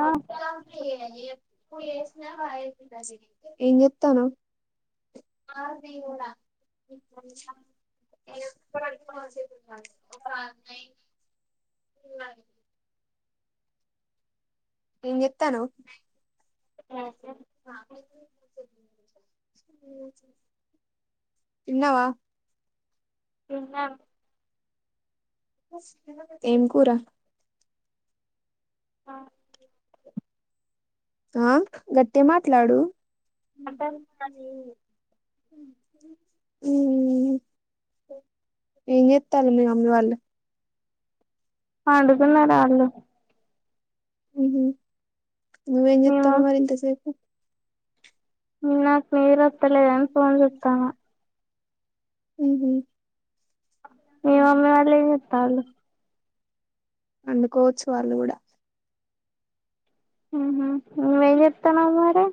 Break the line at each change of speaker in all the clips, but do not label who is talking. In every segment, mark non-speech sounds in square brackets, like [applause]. మొత్తం ఫ్రీఏ ఎప్పుడు జేష్నా. [unintelligible] ఏం జేత్తన్నావ్.? ఎప్పుడు జూడు మన చేతిలోనే. [unintelligible] [unintelligible] ఏం జేత్తన్నావ్.? తిన్నవా.?
తినాను.
ఏం కూరా?
ఆ.
ఆ గట్టిగా మాట్లాడు. ! [inaudible] ఊహ్మ్. ఏం జేత్తల్లు మీ మమ్మీ వాళ్లు.? !
పండుకున్నరాళ్ళు.
ఊహు నువ్వేం జేత్తన్నావ్ మరి ఇంతసేపు. !?
నాకు నిద్రత్తలేదు అని ఫోన్ చుతన్న
ఉ
మీ మమ్మీ వాళ్లేం చేతల్లు
పండుకోవచ్చు వాళ్ళు కూడా
ఉహు నువ్వేం చెత్తన్నావ్ మరీ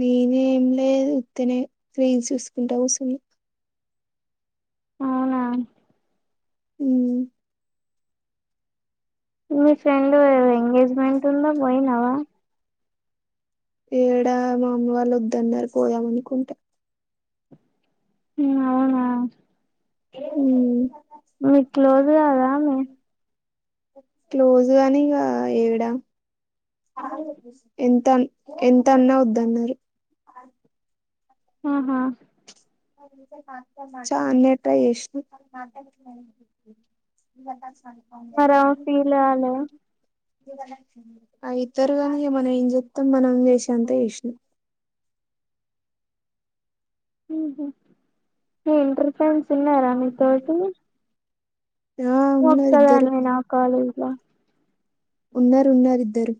నేనేం లేదు ఉత్తనే రీల్స్ చూసుకుంట కుసున్న
అవునా
హ
మీ ఫ్రెండ్ ఎంగేజ్మెంట్ ఉందా పోయినావా
ఏడా మా అమ్మ వాళ్ళ వద్దన్నర పోయామ అనుకుంటారు
అవునా మీక్ల ఆర మ
క్లోజ్ గాని ఇ వయడం ఎంత ఎంత అన్న వద్ద అన్నారు
ఆహా
అన్ ట ఎ
మరా ఫీల్ అాల
అ ఇతరుగానీ మనం ఏం చెప్తాం మనం చేసేంతే ఇష్టం
ఇంటర్ ఫెంస్ ఇన్నా అరామతోటి హతదా అన్వే నా కాలేజ్లా
ఉన్నారు ఉన్నారుద్దరు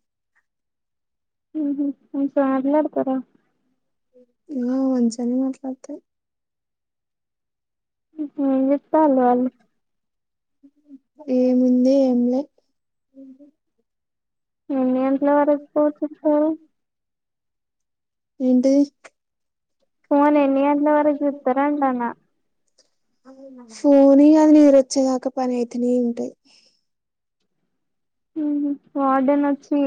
ఉసా అడ్లాడుతార
ఇ మంచిని మాట్లాడతే
చెత్తల అళ
ఏముంది ఏంలే
ఎన్ని ఎంటలో వరకు పోచ్చప్పు
ఏంటి ఫోన్ అది నీరు వచ్చేదాక పని అయితేనే ఉంటాయి
ఉమ్ వార్డెన్ వచ్చి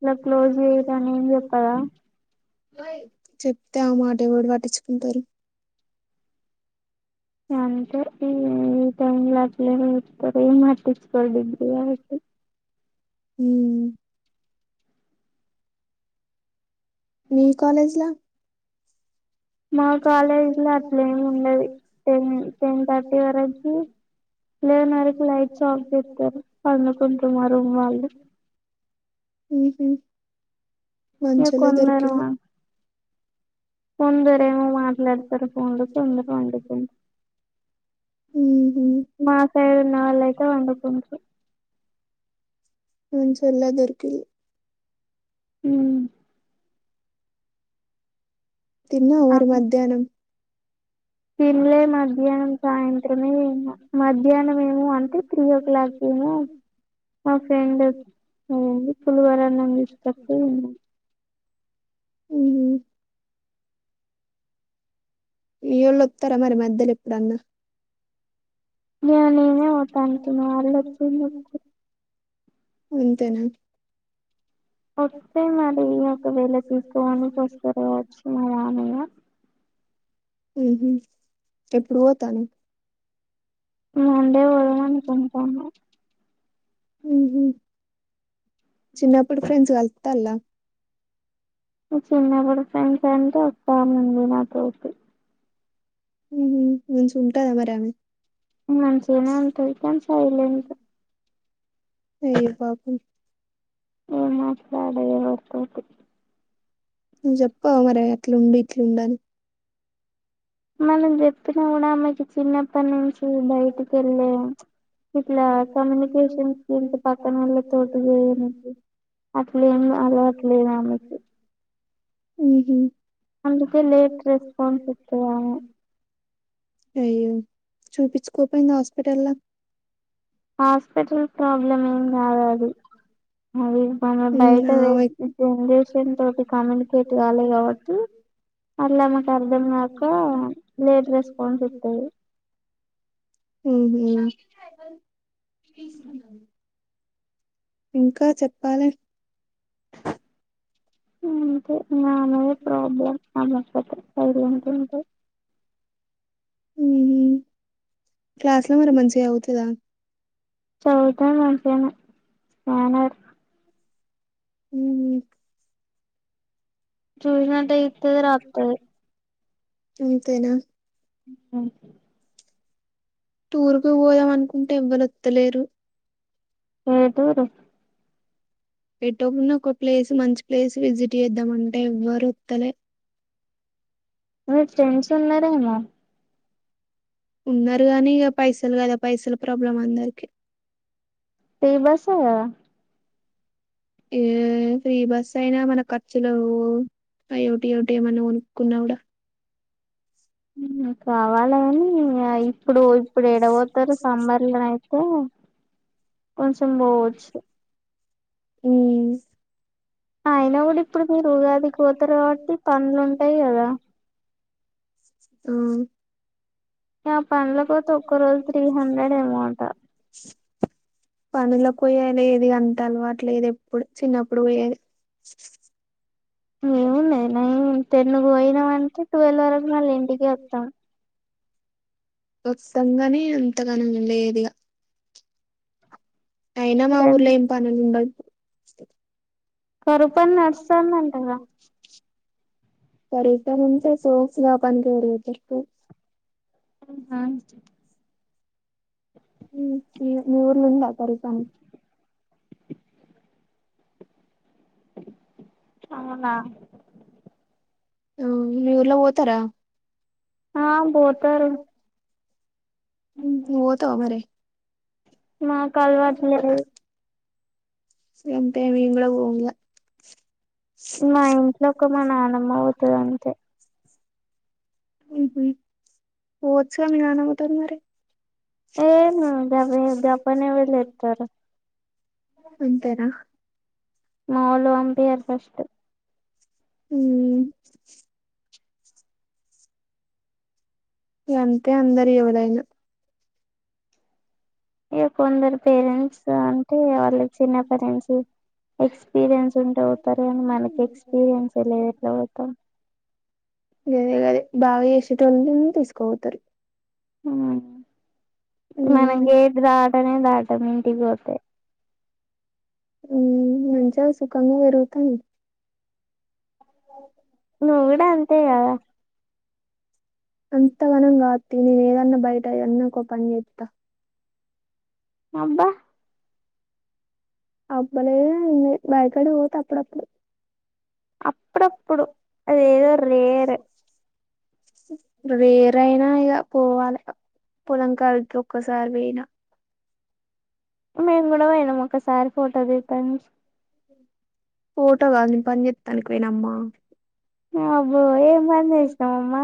ఇలా క్లోజ్ చేయ్యట అని ఏం చెప్పారా
చెప్తే ఆ మాడేవాడు పటించుకుంటారు
ఎంత ఈ ఈ టైలే ఇారు ఇసుకడ
ఉమ్ మీ కాలేజ్లా
మా కాలేజీ లో అట్లే ఏమి ఉండదు టెన్ టెన్ థర్టీ వరకు లేదున్నరకి లైట్స్ ఆఫ్ చేస్తారు పడుకుంటున్నారు రూమ్ వాళ్ళు
వంచల దధర్కలా
కొందర ఏమో మాట్లాడతారు ఫోన్లో తొందర వండిపో
ఉ
మాసైడు నాలుయితే అంగ పంచు
మన్సల్లా దర్కిల్
ఉమ్
తిన్నా మ మధ్యాహ్నం
తిల్లే మధ్యాహ్నం సాయంత్రమే మధ్యాహ్నం ఏమో అంటే త్రీ ఓ క్లాక్ ఆ ఫ్రెం ఫులవారా నస్తకు
ఉమ్ ఇయళ ఉత్తర మరి మద్దరి ఎప్పుడున్న
ఇక నేనే పోతాంటిని వాళ్ళు ఏం చేస్తారు
అంతేనా
వస్తే మరి ఒకవేళ తీసుకపోనికి వస్తారు కావచ్చు మా మామయ్య
ఉహు ఎప్పుడు పోతాను
మండే పోదామనుకుంటానా
చిన్నప్పుడి ఫ్రెండ్స్ కల్తాల్ల
చిన్నప్పుడి ఫ్రెండ్స్ అంటే ఒక్కమే ఉంది నాతోటి
మంచిగుంటదా మరి ఆమె
మంచిగానే ఉంటది కానీ సైలెంట్
అయ్యో పాపం
అవునా సరే ఓకే తి
నువ్వు చెప్పవా మరి అట్లుండు ఇట్లుండు అని
మనం చెప్పినా కూడా ఆమ్మెకి చిన్నప్పటి నుంచి బయటికి వెళ్లే ఇట్లా కమ్యనికేషన్ ఇంటి పక్కన వల్ల తోటి అట్లే ఏం అలవాటు లేదు ఆమెకి
హుహుమ్
అందుకే లేట్ రెస్పాన్స్ ఇస్తది ఆమె
అయ్యో చూపించుకోపోయింది హాస్పిటల్ల
హాస్పిటల్ ప్రాబ్లమ్ ఏం కాదు అది అది మన బయట జనరేషన్ తోటి కమ్యూనికేట్ కాలే కాబట్టి అల్లా ఆమెకు అర్థం కాక లేట్ రెస్పాన్స్ ఇత్తది.
హు హామ్ ఇంకా చెప్పాలే
అంతేనా ప్రాబ్లం అదొక్కటే అదేంటంటే
ఉహు క్లాస్ లో మరి మంచిగా చదువుతదా
చదువుతది మంచిగానే స్కానర్
ఉ
చూసినట్టే చెప్తది రాత్తది
అంతేనా
[inaudible]
టూరుకు పోదామనుకుంటే ఎవ్వరోత్తలేరు
ఏ టూరు
ఎటుో ఉన్న ఒక ప్లేస్ మంచి ప్లేస్ విజిట్ చేద్దాం అంటే ఎవ్వరు వస్తలే
మీ ఫ్రెండ్స్ ఉన్నారేమో
ఉన్నారు గానీ ఇగా పైసలు కదా పైసలు ప్రాబ్లం అందరికి
ఫ్రీ బస్సే కదా
ఏ ఫ్రీ బస్ అయినా మన ఖర్చులు అయ్యోటి ఇయ్యోటి ఏమన్నా కొనుక్కున్నా కూడా
కావాల గని ఇప్పుడు ఇప్పుడు ఎడ పోతారు సమ్మర్లనయితే కొంచెముచి
ఉమ్
అయినా కూడా ఇప్పుడు మీరు ఉగాదికి పోతారు కాబట్టి పనులు ఉంటాయి కదా
ఉమ్
ఆ పనుల పోతే ఒక్క రోజు త్రీ హండ్రెడ్ ఏమో అంట
పనులకి పోయేది అంత అలవాట్ లేదు ఎప్పుడు చిన్నప్పుడు పోయేది
ఏముంది నైన్ టెన్కు పోయినామంటే ట్వెల్వ్ వరకు మళ్ళ ఇంటికే వస్తాం
వస్తాం గానీ అంతగనం లేదు ఇగ అయిన మా ఊర్లో ఏం పనులు ఉండవు ఇపుడు
కరువు పని నడుస్తాందంటగా
కరువు పని ఉంటే [unintelligible]
ఆహా
ఉమ్ మీ ఊర్ల ఉందా కరువు పని
అవునా
ఆ మీ ఊర్ల పోతరా
ఆ పోతరు
నువ్వు పోతవా మరే
మాకు అలవాటు లేదు
అంతే మేం కూడా పొమిగ
మా ఇంట్లో ఒక మా నానమ్మ పోతది అంతే
ఉహ్మ్ పోవచ్చుగా మీ నానమ్మ తోనీ మరి [unintelligible] అంతేనా
మావోళ్లు పంపియ్యరు ఫస్ట్
హామ్ అంతే అందరు ఎవరైనా
కొందరు పేరెంట్స్ అంటే వాళ్ళు చిన్నప్పటినుంచి ఎక్స్పీరియన్స్ ఉంటే పోతరు కని మనకి ఎక్స్పీరియన్స్ లేదు ఎట్ల పోతం
గదే గదే బాగా చేసేటోళ్లనే తీసుకపోతరు
ఆ మనకి ఏది రాదు దాటనే దాటను ఇంటికి పోతే
మంచిగ సుఖంగ పెరుగుతుంది
నువ్వు కూడా అంతే కదా
అంతగనం కాదు తీ నేను ఏదన్నా బయట ఏదన్న ఒక పని చేత్త
అబ్బా
అబ్బ లేదు ఏంలేదు బాయి కాడికి పోత అప్పుడప్పుడు
అప్పుడుప్పుడు అదేదో రేర్
రేర్ అయినా ఇగ పోవాలే పొలం కల్పుకి ఒక్కసారి పోయిన
మేము కూడ పోయినాం ఒకసారి ఫోటో దిగుతానికి
ఫోటో కాదు నేను పని చేత్తానికి పోయినమ్మా
అబ్బో ఏం పని చేసినవమ్మ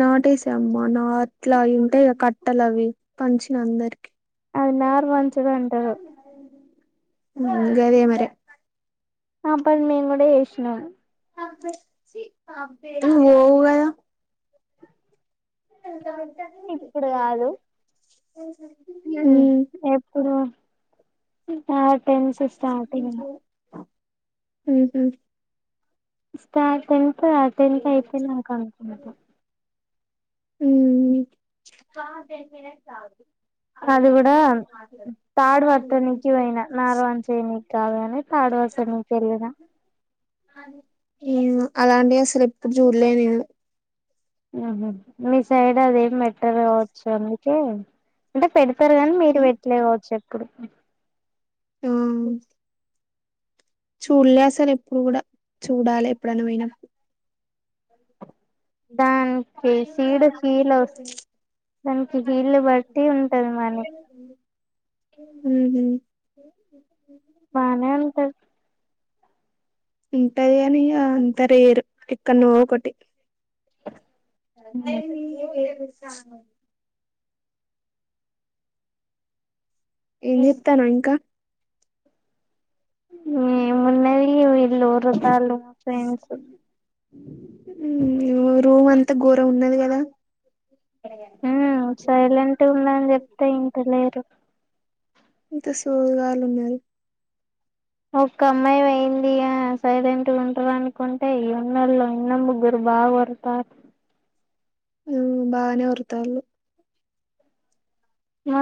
నాటేసా అమ్మ నాట్లా అయ్యి ఉంటయిగా కట్టలు అవి పంచిన అందరికి
అది నారు పంచుడు అంటరు
ఊ గదే మరే
ఆ పని మేము కూడా చేసినం
నువ్వు పోవు కదా వెళ్తాను
ఇప్పుడు కాదు ఎప్పుడు నా టెన్త్ స్టార్టింగ్
ఉహు
ష్ట టెన్త్ ఆ టెన్త్ అయిపోయినాక అనుకుంట
ఉమ్ హు
అది కూడా తాడు పట్టనీకి పోయిన నారు పనిచేయనీకి కాదు గని తాడు పట్టనికి వెళ్లిన
ఏమో అలాంటియి అసలు ఎప్పుడు చూడలే నేను
ఆహ మీ సైడ్ అదేం పెట్టరు కావచ్చు అందుకే అంటే పెడతరు కానీ మీరు పెట్టలే కావచ్చు ఎప్పుడు
టోన్ చూడల అసలు ఎప్పుడు కూడా చూడాలి ఎప్పుడైనా పోయినప్పుడు
దాన్ [unintelligible] దానికి హీల్ ని బట్టి ఉంటది మనీ
ఊహు
బానే ఉంటది
ఇంటది గని అంత రేరు ఎక్కన్నో ఒకటి [unintelligible] ఏం చెత్తనవు ఇంకా
ఏమున్నవి ఇల్లురుసాలు ఫ్రెండ్సు
ఉమ్ రూమ్ అంతా ఘోరం ఉన్నది కదా
ఉ సైలెంట్ ఉండని జెప్తే ఇంట లేరు
ఇంకా సోదుగాళ్లు ఉన్నారు
ఒక్క అమ్మాయి పోయింది [unintelligible] సైలెంట్ గుంటరు ఉంటరు అనుకుంటే ఈ ఉన్నొళ్ళు ఇంగా ముగ్గురు బావ్ అరుస్తాంది
ఊ బానే వొర్తళ్ళు
ఆ